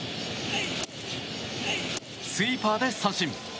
スイーパーで三振。